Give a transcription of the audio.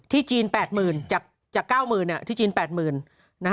จีน๘๐๐๐จาก๙๐๐๐ที่จีน๘๐๐